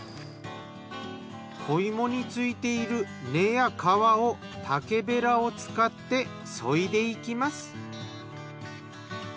子芋についている根や皮を竹べらを使ってそいでいきます。